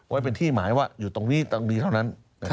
ไว้เป็นที่หมายว่าอยู่ตรงนี้ตรงนี้เท่านั้น